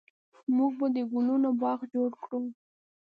موږ به د ګلونو باغ جوړ کړو